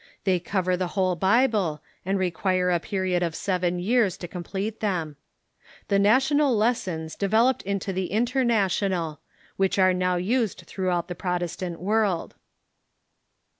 They cover the whole Bible, and require a period of seven years to complete them. The National Lessons de veloped into the International, which are now used through out the Protestant world.